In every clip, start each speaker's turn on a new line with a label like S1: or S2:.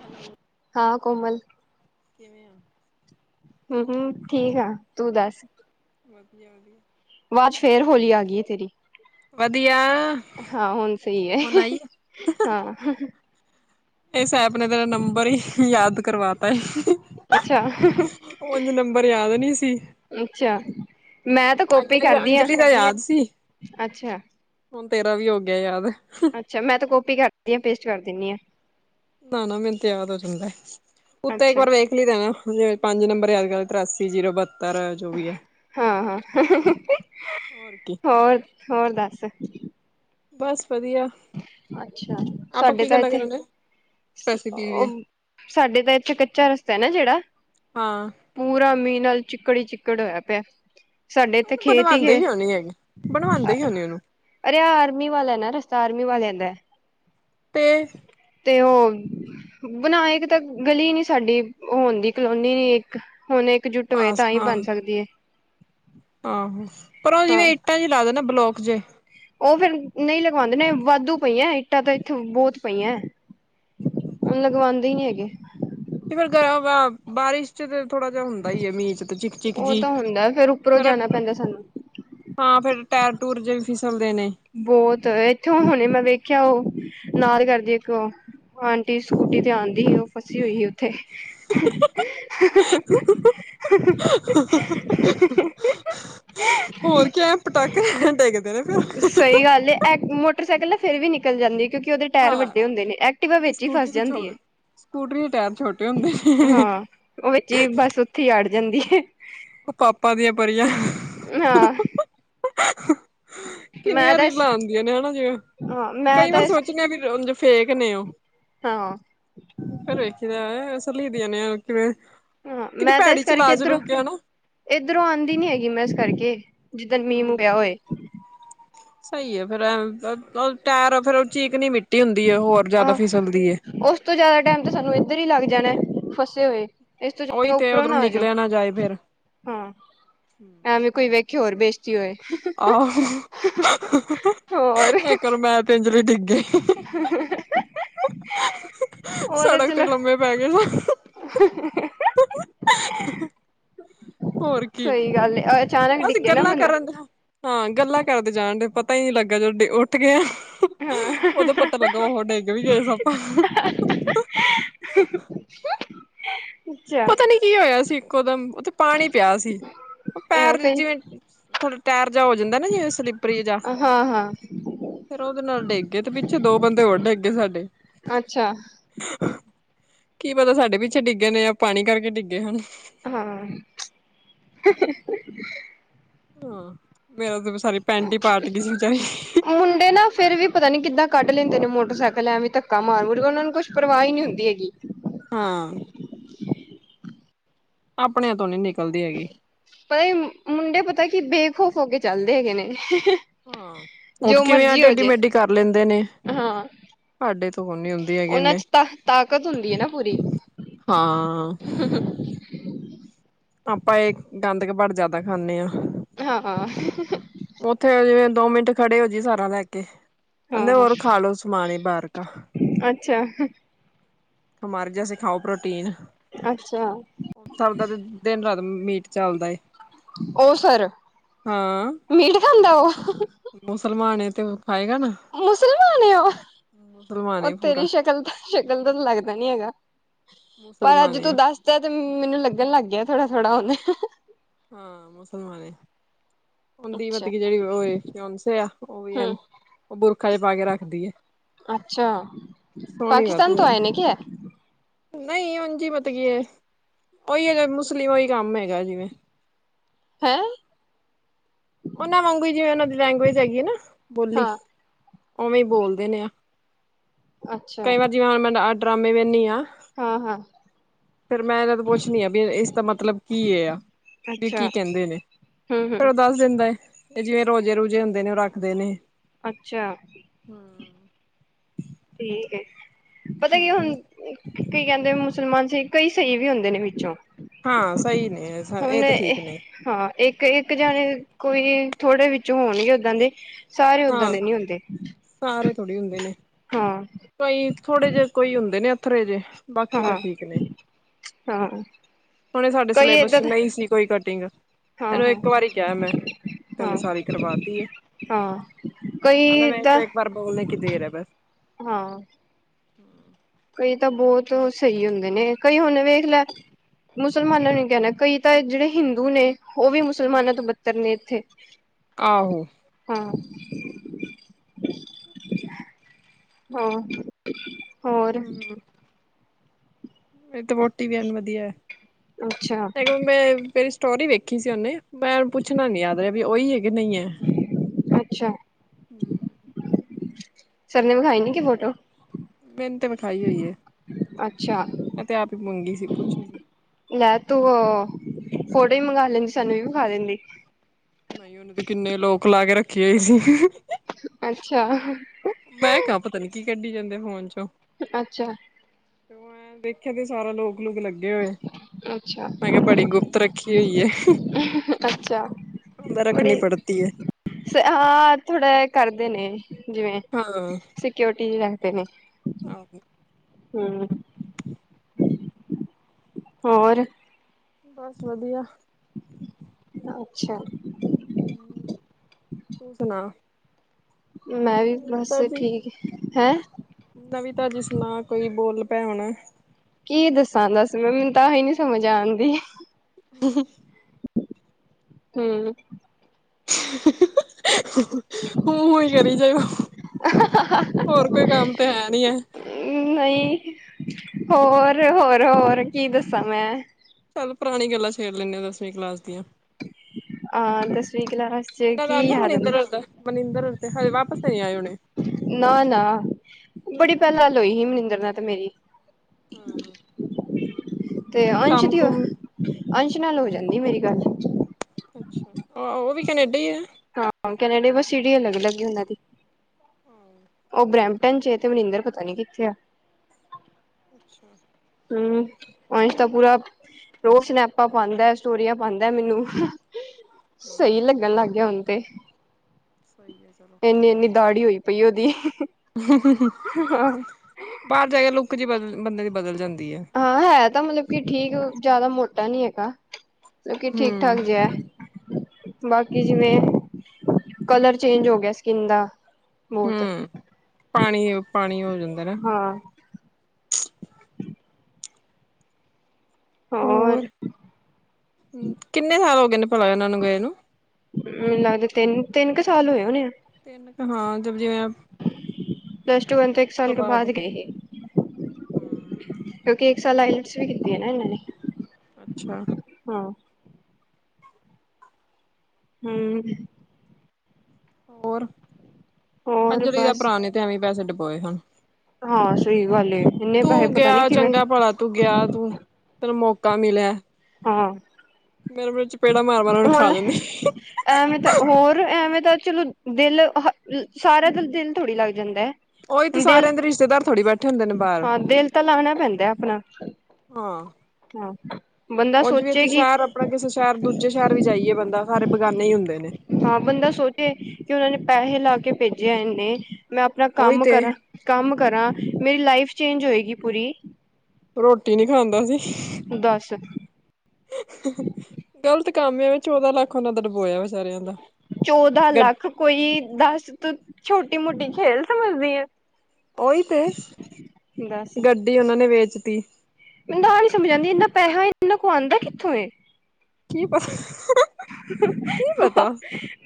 S1: Hello
S2: ਹਾਂ ਕੋਮਲ
S1: ਕਿਵੇਂ ਆ
S2: ਹਮ ਠੀਕ ਆ ਤੂੰ ਦੱਸ
S1: ਵਧੀਆ ਵਧੀਆ
S2: ਆਵਾਜ ਫੇਰ ਹੋਲੀ ਆ ਗਈ ਹੈ ਤੇਰੀ
S1: ਵਧੀਆ
S2: ਹਾਂ ਹੁਣ ਸਹੀ ਹੈ,
S1: ਹੁਣ ਆਈ
S2: ਹਾਂ
S1: ਇਸ ਐਪ ਨੇ ਤੇਰਾ ਨੰਬਰ ਹੀ ਯਾਦ ਕਰਵਾ ਤਾ
S2: ਅੱਛਾ
S1: ਉਝ ਨੰਬਰ ਯਾਦ ਨੀ ਸੀ
S2: ਅੱਛਾ ਮੈਂ ਤਾਂ ਕਾਪੀ
S1: ਅੰਜਲੀ ਦਾ
S2: ਕਰਦੀ ਹਾਂ
S1: ਅੰਜਲੀ ਦਾ ਯਾਦ ਸੀ
S2: ਅੱਛਾ
S1: ਹੁਣ ਤੇਰਾ ਵੀ ਹੋ ਗਿਆ ਯਾਦ [inaudible]
S2: ਅੱਛਾ ਮੈਂ ਤਾਂ ਕਾਪੀ ਕਰਦੀ ਹਾਂ ਪੇਸਟ ਕਰ ਦਿੰਦੀ ਆਂ।
S1: ਨਾ- ਨਾ ਮੈਨੂੰ ਤੇ ਯਾਦ ਆ ਜਾਂਦਾ ਉੱਤੇ ਇੱਕ
S2: ਅੱਛਾ
S1: ਵਾਰ ਵੇਖ। ਤਾਂ ਨਾ ਜ ਪੰਜ ਨੰਬਰ ਆ ਅੱਜੱਲ੍ਹ ਤਰਾਸੀ ਜ਼ੀਰੋ ਬੱਤ ਤਰ [unintelligible]
S2: ਹਾਂ- ਹਾਂ
S1: ਹੋਰ ਕੀ
S2: [inaudible] ਹੋਰ- ਹੋਰ ਦੱਸ।
S1: ਬਸ ਵਧੀਆ
S2: ਅੱਛਾ
S1: ਆਪਾਂ
S2: ਸਾਡੇ
S1: ਕੀ
S2: ਤਾਂ
S1: ਗੱਲਾਂ
S2: ਇੱਥੇ
S1: ਕਰਨ ਡੇ ਰੈਸਿਪੀ
S2: ਉਹ
S1: ਦੀਆਂ
S2: ਸਾਡੇ ਤਾਂ ਇਥੇ ਕੱਚਾ ਰਸਤਾ ਹੈ ਨਾ ਜਿਹੜਾ
S1: ਹਾਂ
S2: ਪੂਰਾ ਮੀਂਹ ਨਾਲ ਚਿੱਕੜ ਹੀ ਚਿੱਕੜ ਹੋਇਆ ਪਿਆ ਸਾਡੇ ਇਥੇ
S1: ਉਹਨੂੰ
S2: ਖੇਤ ਹੀ
S1: ਬਣਵਾਉਂਦੇ
S2: ਖੇ
S1: ਹੋਣੀ ਹੈਗੀ ਬਣਵਾਉਂਦੇ ਹੀ ਹੋਣੀ ਉਹਨੂੰ
S2: ਅਰੇ ਆਰਮੀ ਵਾਲਾ ਨਾ ਰਸਤਾ ਆਰਮੀ ਵਾਲਿਆਂ ਦਾ।
S1: ਤੇ
S2: ਤੇ ਉਹ ਬਣਾਏ ਇੱਕ ਤਾਂ ਗਲੀ ਨੀ ਸਾਡੀ ਹੁੰਦੀ ਕਲੋਨੀ ਨੀ ਇੱਕ ਹੁਣ ਇੱਕ ਜੁੱ
S1: ਬਸ ਹਾਂ ਆਹੋ ਪਰ ਉਹ
S2: ਹਾਂ
S1: ਜਿਵੇਂ ਇੱਟਾਂ 'ਚ ਲਾ ਦੇ ਨਾ ਬਲੋਕ ਜੇ
S2: ਉਹ ਫਿਰ ਨਹੀਂ ਲਗਵਾਉਂਦੇ ਨੇ ਵਾਧੂ ਪਈਆਂ ਇੱਟਾਂ ਤਾਂ ਇੱਥੇ ਬਹੁਤ ਪਈਆਂ। ਉਹ ਲਗਵਾਉਂਦੇ ਨ ਹੈਗੇ।
S1: ਇਹ ਪਰਰ ਘਰ ਬਬ [unintelligible] ਬਾਰਿਸ਼ 'ਚ ਤਾਂ ਥੋੜਾ ਜਿਹਾ ਹੁੰਦਾ ਹੀ ਹੈ ਮੀਂਹ ਤੇ ਚਿਕ -ਚਿਕ
S2: ਉਹ
S1: ਜਿਹੀ
S2: ਤਾਂ ਹੁੰਦਾ ਫੇਰ ਉੱਪਰੋਂ
S1: ਫਰ
S2: ਜਾਣਾ ਪੈਂਦਾ ਸਾਨੂੰ
S1: ਹਾਂ ਫੇਰ ਟਾਇਰ ਟੂਰ ਜੇ ਫਿਸਲਦੇ ਨੇ।
S2: ਬਹੁਤ ਇੱਥੋਂ ਹੁਣੇ ਮੈਂ ਵੇਖਿਆ ਉਹ ਨਾਲ ਕਰਦੀ ਇੱਕ ਉਹ ਆਂਟੀ ਸਕੂਟੀ ਤੇ ਆਉਂਦੀ ਹੀ ਉਹ ਫਸੀ ਹੋਈ ਸੀ ਉੱਥੇ [inaudible]
S1: ਹੋਰ
S2: [inaudible]
S1: ਕੀ ਪਟਾਕੇ [inaudible] ਟੇਕਦੇ ਨੇ ਫਿਰ
S2: ਸਹੀ ਗੱਲ ਮੋਟਰਸਾਈਕਲ ਨਾ ਫੇਰ ਵੀ ਨਿਕਲ ਜਾਂਦੀ ਕਿਉਂਕਿ ਕਿ ਉਹਦੇ
S1: ਹਾਂ
S2: ਟਾਇਰ ਵੱਡੇ ਹੁੰਦੇ ਨੇ ਐਕਟਿਵਾ
S1: ਇਹਦੇ
S2: ਵਿੱਚ ਹੀ
S1: ਸਕੂਟਰੀ
S2: ਫਸ
S1: ਦੇ ਛੋ
S2: ਜਾਂਦੀ ਹੈ।
S1: ਸਕੂਟਰੀ ਦੇ ਟਾਇਰ ਛੋਟੇ ਹੁੰਦੇ। [inaudible]
S2: ਉੱਥੀ ਅੜ ਜਾਂਦੀ ਹੈ।
S1: ਉਹ ਪਾਪਾ ਦੀਆਂ ਪਰੀਆਂ [inaudible]
S2: ਹਾਂ ਮੈਂ
S1: ਕਿੰਨੀਆਂ
S2: ਤਾਂ ਇਸ
S1: ਰੀਲਾਂ ਆਉਂਦੀਆਂ ਨੇ ਹਨਾ ਜਿਵੇ
S2: ਹਾਂ ਮੈਂ
S1: ਕਈ
S2: ਤਾਂ
S1: ਵਾਰ
S2: ਇਸ
S1: ਸੋਚਣੇ ਆ ਵੀ ਫੇਕ ਨੇ ਉਹ
S2: ਹਾਂ
S1: ਫਿਰ ਵੇਖੀ ਦਾ ਅਸਲੀ ਦੀਆਂ ਨੇ ਕਿਵੇਂ
S2: ਹਾਂ
S1: ਕਿਦੀ
S2: ਮੈਂ ਤਾਂ
S1: ਭੈੜੀ
S2: ਇਸ ਕਰਕੇ
S1: ਚਲਾ
S2: ਇੱਧਰੋਂ
S1: ਚਲੂ ਕ ਹਨਾ।
S2: ਇੱਧਰੋਂ ਆਉਂਦੀ ਨੀ ਹੈਗੀ ਮੈਂ ਇਸ ਕਰਕੇ ਜਿੱਧਰ ਮੀਹ ਮੂ
S1: ਹਮ
S2: ਪਿਆ ਹੋਏ।
S1: ਸਹੀ ਹੈ ਫਿਰ ਟਾਇਰ ਫਰ ਚੀਕਨੀ ਮਿੱਟੀ ਹੁੰਦੀ ਹੈ ਹੋਰ ਜਿਆਦਾ ਫਿਸਲਦੀ ਏ।
S2: ਤੋ ਜ਼ਿਆਦਾ ਟਾਈਮ ਤਾਂ ਸਾਨੂੰ ਇੱਧਰ ਹੀ ਲੱਗ ਜਾਣਾ ਫਸੇ ਹੋਏ। ਇਸ ਤੋਂ
S1: ਉਹੀ
S2: ਚੰਗਾ
S1: ਤੇ
S2: ਉੱਪਰੋਂ
S1: ਉਧਰੋਂ
S2: ਨਾ ਆ ਜਾਓ
S1: ਨਿਕਲਿਆ ਜਾਏ ਫੇਰ
S2: ਹਾਂ ਐਵੇਂ ਕੋਈ ਵੇਖੇ ਹੋਰ ਬੇ [unintelligible]
S1: ਆਹੋ,
S2: ਹੋਰ
S1: ਇੱਕ ਵਾਰ ਮੈਂ ਤੇ ਅੰਜਲੀ ਡਿੱਗ ਗਈ।
S2: [unintelligible]
S1: [inaudible]
S2: ਉਹ ਤਾਂ
S1: ਸੜਕ ਤੇ
S2: ਚਲੋ
S1: ਲੰਮੇ ਪੈ ਗਏ।
S2: [inaudible]
S1: ਹੋਰ ਕੀ
S2: ਸਹੀ ਗੱਲ ਹੈ ਅਚਾਨਕ
S1: ਅਸੀਂ
S2: ਡਿੱਗੇ ਨਾ
S1: ਗੱਲਾਂ
S2: ਬੰਦਾ
S1: ਕਰਨ ਹਾਂ ਗੱਲਾਂ ਕਰਦੇ ਜਾਣ ਡੇ ਪਤਾ ਹੀ ਨਹੀਂ ਲੱਗਾ ਜਦੋਂ ਡਿ ਉੱਠ ਗਏ ਆਂ।
S2: ਹਾਂ
S1: ਉਹਦਾ ਪਤਾ ਲੱਗਾ ਉਹ ਡਿੱਗ ਵੀ ਗਏ ਸਭ
S2: [inaudible] ਅੱਛਾ
S1: ਪਤਾ ਨੀ ਕੀ ਹੋਇਆ ਸੀ ਇੱਕਦਮ ਉੱਥੇ ਪਾਣੀ ਪਿਆ ਸੀ ਉਹ
S2: ਹਾਂ
S1: ਪੈਰ
S2: ਕਈ
S1: ਜਿਵੇਂ ਥੋੜੇ ਟਾਇਰ ਜ ਹੋ ਜਾਂਦਾ ਨਾ ਜਿਵੇਂ ਸਲਿਪਰੀ ਜਾ
S2: ਹਾਂ ਹਾਂ
S1: ਫੇਰ ਉਹਦੇ ਨਾਲ ਡਿੱਗ ਗਏ ਤੇ ਪਿੱਛੇ ਦੋ ਬੰਦੇ ਹੋਰ ਡਿੱਗੇ ਗਏ ਸਾਡੇ
S2: ਅੱਛਾ।
S1: ਕੀ ਪਤਾ ਸਾਡੇ ਪਿੱਛੇ ਡਿੱਗੇ ਨੇ ਯਾ ਪਾਣੀ ਕਰਕੇ ਡਿੱਗੇ ਹਨ।
S2: ਹਾਂ।
S1: ਹਾਂ, ਮੇਰੇ ਤੇ ਵਿਸਾਰੀਂ ਪੈਂਟ ਹੀ ਪਾਰਟ ਗਈ ਸੀ। ਵਿਚਾਰੀਂ
S2: ਮੁੰਡੇ ਨਾ ਫ਼ਿਰ ਵੀ ਪਤਾਂ ਨੀਂ ਕਿੱਦਾਂ ਕੱਢ ਲੈਂਦੇ ਨੇਂ ਮੋਟਰਸਾਇਕਲ ਐਂਵੇਂ ਧੱਕਾ ਮਾਰ ਮੁੁਰ ਕੇ ਉਹਨਾਂ ਨੂੰ ਕੁੱਛ। ਪਰਵਾਹ ਹੀ ਨੀਂ ਹੁੰਦੀਂ ਹੈਗੀ।
S1: ਹਾਂ। ਆਪਣਿਆਂ ਤੋਂ ਨੀਂ ਨਿਕਲ਼ਦੀ ਹੈਗੀ।
S2: ਪਤਾ ਕਿ ਮੁੰਡੇ ਪਤਾਂ ਕੀ ਬੇਖੌਫ ਹੋ ਕੇ ਚੱਲਦੇ ਹੈਗੇ ਨੇਂ।
S1: ਹਾਂ ਉਹ
S2: ਜੋ
S1: ਤੇ ਕਿਵੇਂ ਆ
S2: ਮਰਜ਼ੀ
S1: ਟੇਡੀ
S2: ਹੋਜ਼ੇ।
S1: ਮੇਡੀ ਕਰ ਲੈਂਦੇ ਨੇ
S2: ਹਾਂ।
S1: ਸਾਡੇ ਤੋਂ ਨੀ ਹੁੰਦੀ ਹੈਗੀ
S2: ਉਹਨਾਂ
S1: ਇਨੇ
S2: ਚ ਤਾਂ ਤਾਕ਼ਤ ਹੁੰਦੀਂ ਹੈਂ ਨਾ ਪੂਰੀ।
S1: ਹਾਂ ਆਪਾਂ ਇਹ ਗੰਦ ਕਬਾੜ ਜ਼ਿਆਦਾ ਖਾਂਣੇ ਆ।
S2: ਹਾਂ-ਹਾਂ।
S1: ਉੱਥੇ ਜਿਵੇਂ ਦੋ ਮਿੰਟ। ਖੜੇ ਹੋ ਜੀ ਸਾਰਾਂ ਲੈ ਕੇ। ਕਹਿੰਦੇ
S2: ਹਾਂ।
S1: ਹੋਰ ਖਾ ਲੋੋ ਸਮਾਨ ਬਾਰ ਕਾ
S2: ਅੱਛਾ
S1: ਹਮਾਰੇ ਜੈਸੇ ਖਾਓ ਪ੍ਰੋਟੀਨ।
S2: ਅੱਛਾ।
S1: ਸਰ ਦਾ ਤਾਂ ਦਿਨ ਰਾਤ ਮੀਟ ਚੱਲਦਾ।
S2: ਉਹ ਸਰ,
S1: ਹਾਂ।
S2: ਮੀਟ ਖਾਂਦਾ ਉਹ।
S1: ਮੁਸਲਮਾਨ ਏ ਉਹ ਤੇ ਖਾਏਗਾ ਨਾ।
S2: ਮੁਸਲਮਾਨ ਏ ਉਹ,
S1: ਮੁਸਲਮਾਨ
S2: ਉਹ
S1: ਏ ਪੂਰਾ
S2: ਤੇਰੀ ਸ਼ਕਲ ਤੋ ਸ਼ਕਲ ਤੋ ਲੱਗਦਾ ਨੀ ਹੈਗਾ। ਪਰ
S1: ਮੁਸਲਮਾਨ
S2: ਅੱਜ
S1: ਏ
S2: ਤੂੰ ਦੱਸ ਤਾਂ ਤੇ ਮੈਂਨੂੰ ਲੱਗਣ ਲੱਗ ਗਿਆਂ ਥੋੜਾਂ-ਥੋੜ੍ਹਾਂ ਹੁਣ।
S1: ਹਾਂ, ਮੁਸਲਮਾਨ ਏਂ। ਹੁੰਦੀ ਮੱਤ
S2: ਅੱਛਾ
S1: ਕਿ ਜਿਹੜੀ ਉਏ ਫਿਆਂਸੇ ਆ, ਉਹ ਵੀ
S2: ਹੂੰ
S1: ਇੰਜ ਉਹ ਬੁਰਖਾ ਜਾਂ ਪਾ ਕੇ ਰੱਖਦੀ ਏਂ।
S2: ਅੱਛਾ, ਪਾਕਿਸਤਾਨ ਤੋਂ ਆਏਂ ਨੇਂ ਕਿ ਐ।
S1: ਨੀ ਉਝ ਹੀ ਮਤ ਕੀ ਏ, ਉਹੀ ਏ ਮੁਸਲਿਮ ਉਹੀ ਕੰਮ ਹੈਗਾ ਜਿਵੇਂ।
S2: ਹੈਂ।
S1: ਉਹਨਾਂ ਵਾਂਗੂ ਜਿਵੇਂ ਉਹਨਾਂ ਦੀ ਲੈਂਗੁਏਜ ਹੈਗੀ ਆ ਨਾ ਬੋਲੀਂ,
S2: ਹਾਂ
S1: ਉਵੇਂ ਬੋਲਦੇ ਨੇਂ।
S2: ਅੱਛਾ।
S1: ਜਿਵੇਂ ਹੁਣ ਮੈਂ ਆ ਡਰਾਮੇਂ ਵੇਂਹਣੀ ਆ।
S2: ਹਾਂ-ਹਾਂ।
S1: ਫ਼ਿਰ ਮੈਂ ਇਹਨਾਂ ਤੋਂ ਪੁੱਛਣੀ ਆ ਵੀ। ਇਸਦਾ ਮੱਤਲਬ ਕੀ ਇਹ ਆ, ਵੀ ਕੀ ਕਹਿੰਦੇ ਨੇ?
S2: ਹੂੰ-ਹੂੰ।
S1: ਫੇਰ ਉਹ ਦੱਸ ਦਿੰਦਾਂ ਏ। ਜਿਵੇਂ ਰੋਜ਼ੇ-ਰੁਜ਼ੇ ਹੁੰਦੇ ਨੇਂ ਉਹ ਰੱਖਦੇ ਨੇ।
S2: ਅੱਛਾ।
S1: [inaudible]
S2: ਠੀਕ ਹੈ ਪਤਾਂ ਕੀ
S1: ਹੂੰ
S2: ਹੁਣ ਕਈ ਕਹਿੰਦੇ ਮੁਸ਼ਲਮਾਨ ਸਈ। ਕਈ ਸਹੀ ਵੀ ਹੁੰਦੇ ਨੇ ਵਿੱਚੋਂ। [unintelligible]
S1: ਹਾਂ ਸਹੀ ਨੇਂ
S2: ਹੁਣ
S1: ਇਹ ਤੇ ਠੀਕ ਨੇਂ।
S2: ਹਾਂ ਇੱਕ ਇੱਕ ਜਾਣੇਂ ਕੋਈ ਥੋੜੇ ਵਿੱਚੋਂ ਹੋਣਗੇ ਓਦਾਂ ਦੇ ਸਾਰੇ ਓਦਾਂ
S1: ਹਾਂ
S2: ਦੇ ਨੀਂ ਹੁੰਦੇ
S1: ਸਾਰੇ ਥੋੜ੍ਹੀ ਹੁੰਦੇ ਨੇਂ।
S2: ਹਾਂ।
S1: ਕਈ ਥੋੜੇ ਜਿਹੇ ਕੋਈ ਹੁੰਦੇ ਨੇ ਅਥਰੇ ਜਿਹੇ। ਬਾਕੀ ਤਾਂ
S2: ਹਾਂ
S1: ਠੀਕ ਨੇ।
S2: ਹਾਂ।
S1: ਹੁਣ ਏਂ ਸਾਡੇ
S2: ਕਈ
S1: ਸਿਲੇਬਸ
S2: ਏਦਾਂ
S1: ਚ
S2: ਦੇ
S1: ਨਹੀਂ ਸੀ ਕੋਈ ਕਟਿੰਗ,
S2: ਹਾਂ
S1: ਇਹਨੂੰ
S2: ਹਾਂ
S1: ਇੱਕ ਵਾਰੀ ਕਿਹਾਂ ਮੈਂ। ਤੇ
S2: ਹਾਂ
S1: ਉਹਨੇਂ ਸਾਰੀ ਕਰਵਾ ਤੀ ਐ।
S2: ਹਾਂ ਕਈ
S1: ਆਂਦਾ ਮੇਰੇ ਕੋ
S2: ਏਦਾਂ
S1: ਇੱਕ ਵਾਰ ਬੋਲਣੇ ਕੀ ਦੇਰ ਹੈਂ ਬਸ।
S2: ਹਾਂ।
S1: [inaudible]
S2: ਕਈ ਤਾਂ ਬਹੁਤ ਸਹੀ ਹੁੰਦੇ ਨੇਂ। ਕਈ ਹੁਣ ਵੇਖ ਲ਼ੈ ਮੁਸਲਮਾਨਾ ਨੂੰ ਕੀ ਕਹਿਣਾ। ਕਈ ਤਾਂ ਜਿਹੜੇ ਹਿੰਦੂ ਨੇਂ ਉਹ ਵੀ ਮੁਜਰਮਾਨਾ ਤੋਂ ਬੱਤਰ ਨੇਂ ਇੱਥੇਂ।
S1: ਆਹੋ।
S2: ਹਾਂ। ਹਾਂ ਹੋਰ
S1: ਹਮ ਇਹ ਤੇ ਰੋਟੀ ਵੀ ਐਨ ਵਧੀਆ
S2: ਅੱਛਾ
S1: [unintelligible] ਮੇਰੀ ਸਟੋਰੀ ਵੇਖੀ ਸੀ ਉਹਨੇ ਮੈਂ ਪੁੱਛਣਾ ਨੀ ਯਾਦ ਰਿਹਾ ਵੀ ਉਹੀ ਹੈਗੇ ਨਹੀਂ ਹੈ [unintelligible]
S2: ਅੱਛਾ
S1: ਹਮ
S2: ਸਰ ਨੇ ਵਿਖਾਈ ਨਹੀਂ ਕੇ ਫੋਟੋ
S1: ਮੈਨੂੰ ਤੇ ਵਿਖਾਈ ਹੋਈ ਹੈ
S2: ਅੱਛਾ
S1: ਮੈਂ ਤੇ ਆਪ ਹੀ ਮੰਗੀ ਸੀ ਪੁੱਛੀ ਸੀ
S2: ਲੈ ਤੂੰ ਫੋਟੇ ਵੀ ਮੰਗਵਾ ਲੈਂਦੀ ਸਾਨੂੰ ਵਿੱਖਾ ਦਿੰਦੀ
S1: ਬਈ ਉਹਨੇਂ ਤਾਂ ਕਿੰਨੇਂ ਲੋਕ ਲਾ ਕੇ ਰੱਖੇ ਹੋਏ ਸੀ।
S2: ਅੱਛਾ।
S1: ਮੈਂ ਕਿਹਾਂ ਪਤਾਂ ਨੀਂ ਕੀ ਕੱਢੀ ਜਾਂਦੇ ਫ਼ੋਨ ਚੋਂ।
S2: ਅੱਛਾ
S1: ਤੇ ਮੈਂ ਦੇਖਿਆ ਤੇ ਸਾਰਾ ਲੋਕ ਲੁਕ ਲੱਗਿਆ
S2: ਅੱਛਾ
S1: ਮੈਂ ਕਿਹਾ ਬੜੀ ਗੁਪੱਤ ਰੱਖੀ ਹੋਈ ਹੈ
S2: ਅੱਛਾ
S1: ਰੱਖਣੀ
S2: ਬੜੀ
S1: ਪੜਤੀ ਹੈ
S2: ਹਾਂ ਥੋੜ੍ਹਾ ਕਰਦੇ ਨੇ ਜਿਵੇਂ
S1: ਹਾਂ
S2: ਸਕਿਉਰਟੀ ਵੀ ਰੱਖਦੇ ਨੇ
S1: ਆ
S2: ਹਮ
S1: [unintelligible]
S2: ਹੋਰ
S1: ਬੱਸ ਵਧੀਆ
S2: ਅੱਛਾ
S1: ਹਮ ਤੂੰ ਸੁਣਾ
S2: ਮੈਂ ਵੀ
S1: ਨਵੀ
S2: ਬਸ
S1: ਤਾਜੀ
S2: ਠੀਕ ਹੈਂ
S1: ਨਵੀ ਤਾਜੀ ਸੁਨਾਂ ਕੋਈ ਬੋਲ ਭੈਣ
S2: ਕੀ ਦੱਸਾਂ ਦੱਸ ਮੈਂ ਮੈਨੂੰ ਤਾਂ ਈਹੀ ਨੀ ਸਮੱਝ ਆਂਦੀ
S1: [unintelligible]
S2: ਹਮ
S1: [unintelligible] ਹੂੰ ਹੀ ਕਰੀ ਜਾਣਾ ਹੋਰ ਕੋਈ ਕੰਮ ਤੇ ਹੈ ਨੀ ਹੈ
S2: ਨਹੀਂ ਹੋਰ ਹੋਰ ਹੋਰ ਕੀ ਦੱਸਾਂ ਮੈਂ
S1: ਚੱਲ ਪੁਰਾਣੀ ਗੱਲਾਂ ਛੇੜ ਲੈਂਦੇ ਹਾਂ ਦਸਵੀਂ ਕਲਾਸ ਦੀਆਂ
S2: ਹਾਂ ਦਸਵੀਂ ਕਲਾਸ ਚੱ ਕੀ ਯਾਦ
S1: ਮਨਿਂਦਰ ਤੇ ਹਜੇ ਵਾਪਸ ਨੀ ਆਏ ਹੋਣੇ
S2: ਨਾ ਨਾ ਬੜੀ ਪਹਿਲਾਂ ਹੋਈ ਸੀ ਮਨਿਂਦਰ ਨਾਲ ਤੇ ਮੇਰੀ
S1: ਹਾਂ
S2: ਤੇ ਅੰਸ਼
S1: ਕੰਮ
S2: ਦੀ
S1: ਕੁਮ
S2: ਅੰਸ਼ ਨਾਲ ਹੋ ਜਾਂਦੀ ਮੇਰੀ ਗੱਲ
S1: ਅੱਛਾ ਉਹ ਵੀ ਕੈਨੇਡਾ ਹੀ ਹੈ
S2: ਹਾਂ ਕੈਨੇਡੇ ਵਿਚ ਸੀਟੀਜਨ ਨਹੀਂ ਲੱਗੀ ਉਹਨਾਂ ਦੀ ਉਹ ਬਰਂ ਬਰਂਪਟਨ ਵਿਚ ਤੇ ਮਨਿਂਦਰ ਪਤਾ ਨਹੀਂ ਕਿੱਥੇ ਆ
S1: ਅੱਛਾ
S2: ਹਮ ਅੰਸ਼ ਤਾਂ ਪੂਰਾ ਰੋਜ਼ ਸਨੈਪਾਂ ਪਾਉਂਦਾ ਸਟੋਰੀਆਂ ਪਾਉਂਦਾ ਮੈਨੂੰ ਸਹੀ ਲੱਗਣ ਲੱਗ ਗਿਆ ਹੁਣ ਤੇ
S1: ਸਹੀ ਹੈ ਚਲੋ
S2: ਇੰਨੀ ਇੰਨੀ ਦਾੜੀ ਹੋਈ ਪਈ ਉਹਦੀ
S1: ਬਾਹਰ ਜਾ ਕੇ ਲੁੱਕ ਜਿਹੀ ਬਦਲ ਬੰਦੇ ਦੀ ਬਦਲ ਜਾਂਦੀ ਹੈ
S2: ਹਾਂ ਹੈ ਤਾਂ ਮਤਲਬ ਕਿ ਠੀਕ ਜਿਆਦਾ ਮੋਟਾ ਨੀ ਹੈਗਾ, ਮਤਲਬ ਕਿ ਠੀਕ
S1: ਹੂੰ
S2: ਠਾਕ ਜੇਆ ਬਾਕੀ ਜਿਵੇਂ ਕਲਰ ਚੇਂਜ ਹੋ ਗਿਆ ਸਕਿੰਨ ਦਾ ਬਹੁਤ
S1: ਹਮ, ਪਾਣੀ ਪਾਣੀ ਹੋ ਜਾਂਦਾ ਨਾ
S2: ਹਾਂ ਹੋਰ
S1: ਕਿੰਨੇ ਸਾਲ ਹੋ ਗਏ ਨੇ, ਭਲਾ ਇਹਨਾਂ ਨੂੰ ਗਏ ਨੂੰ?
S2: ਮੈਨੂੰ ਲੱਗਦਾ ਤਿੰਨ ਤਿੰਨ ਕੁ ਸਾਲ ਹੋਏ ਹੋਣੇ ਆ
S1: ਏਨ ਕ ਹਾ ਜ ਜਿਆ
S2: ਪਲੱਸ ਟੂ ਕਰਨ ਤੋਂ ਇੱਕ ਸਾਲ ਕੇ ਬਾਦ ਗਈ ਸੀ
S1: ਹੂੰ
S2: ਕਿਉਂਕਿ ਇੱਕ ਸਾਲ ਆਈਲਟਸ ਵੀ ਕੀਤੀ ਹੈ ਨਾ ਇਹਨਾਂ ਨੇ
S1: ਅੱਛਾ
S2: ਹਾਂ ਹਮ
S1: ਹੋਰ
S2: ਹੋਰ
S1: ਅੰਜਲੀ ਦਾ
S2: ਬਸ
S1: ਭਰਾ ਨੇ ਤੇ ਐਵੇਂ ਪੈਸੇ ਡਬੋਏ ਸਨ
S2: ਹਾਂ ਸਹੀ ਗੱਲ ਇਨੇ ਪੈਸੇ ਪੱਤਾ ਨੀ ਕਿਵੇਂ
S1: ਚੰਗਾ ਭਲਾ ਤੂੰ ਗਿਆ ਤੂੰ ਤੈਨੂੰ ਮੌਕਾ ਮਿਲਿਆ
S2: ਹਾਂ
S1: ਮੇਰਾ ਚ ਚਪੇੜਾ ਮਾਰ ਮਾਰ ਉਹ ਨੂੰ ਖਾ
S2: ਹੁਣ
S1: ਦਿੰਦੀ
S2: ਐਵੇਂ ਤਾਂ, ਹੋਰ ਐਵੇਂ ਤਾਂ ਚਲੋ ਦਿਲ ਹ ਸਾਰਾ ਦਿਨ ਦਿਲ ਥੋੜ੍ਹੀ ਲੱਗ ਜਾਂਦਾ
S1: ਉਹੀ ਤੇ
S2: ਏ ਦਿਲ
S1: ਸਾਰਿਆਂ ਦੇ ਰਿਸ਼ਤੇਦਾਰ ਥੋੜ੍ਹੀ ਬੈਠੇ ਹੁੰਦੇ ਨੇ ਬਾਹਰ
S2: ਹਾਂ ਦਿਲ ਤਾਂ ਲਾਣਾ ਪੈਂਦਾ ਆਪਣਾ
S1: ਹਾਂ
S2: ਹਾਂ, ਬੰਦਾ
S1: ਉੰਝ ਵੀ
S2: ਸੋਚੇ
S1: ਇੱਥੇ
S2: ਕਿ
S1: ਸ਼ਹਿਰ ਆਪਣਾ ਕਿਸੇ ਸ਼ਹਿਰ ਦੂਜੇ ਸ਼ਹਿਰ ਵੀ ਜਾਈਏ ਬੰਦਾ, ਸਾਰੇ ਬਗਾਨੇ ਹੀ ਹੁੰਦੇ ਨੇ
S2: ਹਾਂ, ਬੰਦਾ ਸੋਚੇ ਕਿ ਉਹਨਾਂ ਨੇ ਪੈਸੇ ਲਾ ਕੇ ਭੇਜਿਆ ਇਨੇ, ਮੈਂ ਅਪਣਾ
S1: ਉਹੀ
S2: ਕੰਮ
S1: ਤੇ
S2: ਕਰਾਂ ਕੰਮ ਕਰਾਂ, ਮੇਰੀ ਲਾਈਫ ਚੇਂਜ ਹੋਏਗੀ ਪੂਰੀ
S1: ਰੋਟੀ ਨੀ ਖਾਂਦਾ ਸੀ
S2: ਦਸ
S1: ਗ਼ਲਤ ਕੰਮ ਆ, ਚੌਦਾਂ ਲੱਖ ਉਹਨਾਂ ਡਬੋਇਆ ਵਿਚਾਰਿਆਂ ਦਾ
S2: ਚੌਦਾਂ
S1: ਗ
S2: ਲੱਖ, ਕੋਈ ਦਸ ਤੋਂ ਛੋਟੀ ਮੋਟੀ ਖੇਲ ਸਮਝਦੀ ਏ
S1: ਉਹੀ ਤੇ
S2: ਦੱਸ
S1: ਗੱਡੀ ਉਹਨਾਂ ਨੇ ਵੇਚਤੀ
S2: ਮੈਨੂੰ ਆਹ ਨ ਸਮਝ ਆਂਦੀ ਇੰਨਾ ਪੈਸਾ ਇੰਨਾ ਕੁ ਆਂਦਾ ਕਿੱਥੋਂ ਏ?
S1: [unintelligible] ਕੀ ਪਤਾ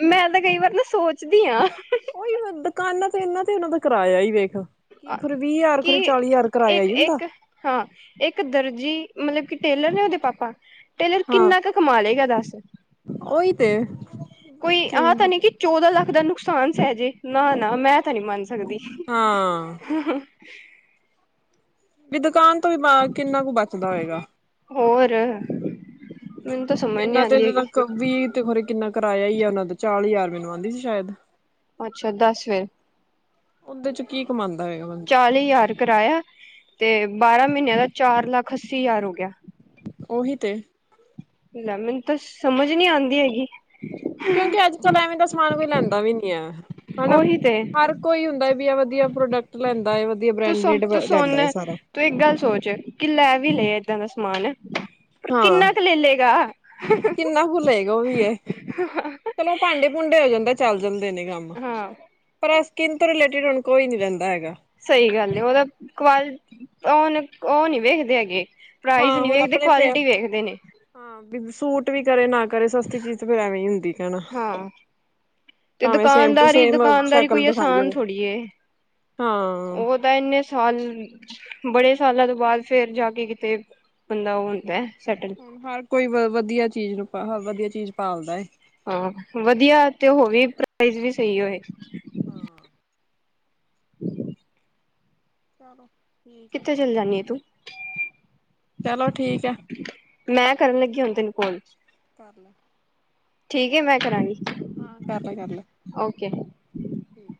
S2: ਮੈਂ ਤਾਂ ਕਈ ਵਾਰ ਨਾ ਸੋਚਦੀ ਆਂ
S1: ਉਹਹੀ, ਦੁਕਾਨਾਂ ਤੇ ਇਹਨਾਂ ਤੇ ਉਹਨਾਂ ਦਾ ਕਰਾਇਆ ਹੀ ਵੇਖ ਕੀ ਖਰੇ ਵੀਹ ਹਜ਼ਾਰ
S2: ਕਿ
S1: ਖਰੇ ਚਾਲੀ ਹਜ਼ਾਰ ਕਰਇਆ
S2: ਇੱਕ
S1: ਹੁੰਦਾ
S2: ਇੱਕ ਹਾਂ, ਇੱਕ ਦਰਜੀ ਮਤਲਬ ਕਿ ਟੇਲਰ ਨੇ ਉਹਦੇ ਪਾਪਾ ਟੇਲਰ ਕਿੰਨਾ ਕੁ ਕਮਾ ਲਏਗਾ ਦੱਸ
S1: ਓਈ, ਤੇ।
S2: ਕੋਈ ਆਹ, ਤਾਂ ਨਹੀਂ ਕਿ, ਚੌਦਾਂ ਲੱਖ, ਦਾ ਨੁਕਸਾਨ ਸਹਿਜੇ। ਨਾ- ਨਾ, ਮੈਂ ਤਾਂ ਨਹੀਂ, ਮੰਨ ਸਕਦੀ।
S1: ਹਾਂ
S2: [unintelligible]
S1: ਵੀ ਦੁਕਾਨ ਤੋਂ ਵੀਬਾਦ ਕਿੰਨਾ ਕੁ ਬਚਦਾ ਹੋਏਗਾ
S2: ਹੋਰ ਮੈਨੂੰ ਤਾਂ ਸਮਝ ਨੀ
S1: ਇਹਨਾਂ ਤੇ
S2: ਆਉਂਦੀ ਹੈਗੀ
S1: ਜਨਾ ਵੀਹ ਤੇ ਹੋਰੇ ਕਿੰਨਾ ਕੀਰਾਇਆ ਈ ਆ ਉਹਨਾਂ ਦਾ, ਚਾਲ ਹਜ਼ਾਰ ਮੈਨੂੰ ਆਉਂਦੀ ਸੀ ਸ਼ਾਇਦ
S2: ਅੱਛਾ, ਦਸ ਫੇਰ
S1: ਉਹਦੇ ਚ ਕੀ ਕਮਾਂਦਾ ਹੋਏਗਾ ਬੰਦਾ
S2: [unintelligible] ਆਲੇ ਯਾਰ ਕਰਾਇਆ ਤੇ ਬਾਰਾਂ ਮਹੀਨਿਆਂ ਦਾ ਚਾਰ ਲੱਖ ਅੱਸੀ ਹਜ਼ਾਰ ਹੋ ਗਿਆ
S1: ਉਹੀ, ਤੇ।
S2: ਲੈ ਮੈਨੂੰ ਤਾਂ, ਸਮਝ ਨੀ, ਆਂਦੀ ਹੈਗੀ।
S1: ਕਿਉਂਕਿ, ਅੱਜ ਕਲ ਐਵੇਂ ਦਾ ਸਮਾਨ, ਕੋਈ ਲੈਂਦਾ ਵੀ, ਨੀ ਹੈ। ਹਨਾ,
S2: ਉਹੀ ਤੇ
S1: ਹਰ ਕੋਈ ਹੁੰਦਾ ਵੀ, ਵਧੀਆਂ-ਵਧੀਆ ਪ੍ਰੋਡਕਟ ਲੈਂਦਾ ਹੈ। ਵਧੀਆ
S2: ਤੂੰ ਸੁਣ
S1: ਬ੍ਰੈਂਡਿਡ
S2: ਤੂੰ
S1: ਲੈਂਦਾ
S2: ਸੁਣ
S1: ਹੈ ਸਬ।
S2: ਤੂੰ, ਇੱਕ ਗੱਲ ਸੋਚ, ਕਿ ਲੈ ਵੀ, ਲੈ ਆ ਇਏਦਾਂ ਦਾ ਸਮਾਨ। ਪਰ ਕਿੰਨਾ,
S1: ਹਾਂ
S2: ਕੁ ਲੈ ਲੇਗਾ।
S1: ਕਿੰਨਾ ਕੁ ਲਏਗਾ ਉਹ ਵੀ ਇਹ ਚਲੋ ਭਾਂਡੇ- ਭੂੰਡੇ, ਹੋ ਜਾਂਦਾ ਏ। ਚੱਲ ਜਾਂਦੇ ਨੇ ਕੰਮ।
S2: ਹਾਂ
S1: ਪਰ ਸਕਿੰਨ ਤੋਂ, ਰਿਲੇਟਿਡ ਹੁਣ, ਕੋਈ ਨੀ ਲਹਿੰਦਾ ਹੈਗਾ।
S2: ਸਹੀ ਗੱਲ ਏ। ਉਹਦਾ ਕੁ, ਉਹਨ ਉਹ ਨਹੀਂ, ਵੇਖਦੇ ਹੈਗੇ। ਪ੍ਰਾਈਜ਼
S1: ਹਾਂ
S2: ਨੀ
S1: ਹੁਣ
S2: ਵੇਖਦੇ,
S1: ਆਪਣੇ ਫੇ
S2: ਕੁਆਲਿਟੀ ਵੇਖਦੇ ਨੇ।
S1: ਹਾਂ। ਵੀ ਸੂਟ ਵੀ, ਕਰੇ ਨਾ ਕਰੇ। ਸਸਤੀ ਚੀਜ਼ ਤੇ ਫੇਰ ਐਵੇਂ, ਹੀ ਹੁੰਦੀ ਕਹਿਣਾ।
S2: ਹਾਂ ਤੇ
S1: ਭਾਵੇਂ ਸੇਮ ਟੂ
S2: ਦੁਕਾਨਦਾਰੀ,
S1: ਸੇਮ
S2: ਦੁਕਾਨਦਾਰੀ
S1: ਸ਼ਕਲ
S2: ਕੋਈ
S1: ਦਿਖਾਈ
S2: ਆਸਾਨ,
S1: ਹੋਵੇ
S2: ਥੋੜੀ ਹੈ,
S1: ਹਾਂ
S2: ਉਹ। ਤੇ, ਇਨੇ ਸਾਲ। ਬੜੇ ਸਾਲਾਂ, ਤੋਂ ਬਾਅਦ ਫੇਰ ਜਾ ਕੇ, ਕਿਤੇ ਬੰਦਾ ਉਹ ਹੁੰਦਾ, ਸੈਟਲ।
S1: ਹੁਣ ਹਰ ਕੋਈ, ਵਧੀਆ ਚੀਜ਼ ਨੂੰ, ਵਧੀਆ ਚੀਜ਼ ਡਾਲਦਾ ਹੈ।
S2: ਹਾਂ। ਵਧੀਆ ਤੇ, ਹੋ ਵੀ, ਪ੍ਰਾਈਜ ਵੀ ਸਹੀ ਹੋਏ।
S1: ਹਾਂ।
S2: [inaudible]
S1: ਚਲੋ। ਹੈ
S2: ਕਿੱਥੇ, ਚੱਲ ਜਾਂਨੀ ਹੈ, ਤੂੰ?
S1: ਚਲੋ, ਠੀਕ ਹੈ।
S2: ਮੈਂ, ਕਰਨ ਲੱਗੀ, ਹੁਣ ਤੈਨੂੰ ਕੋਲ।
S1: ਕਰ, ਲਾ।
S2: ਠੀਕ ਹੈ। ਮੈਂ, ਕਰਾਂਗੀ।
S1: ਹਾਂ। ਕਰ ਲੈ, ਕਰ ਲੈ।
S2: ਓਕੇ।
S1: ਠੀਕ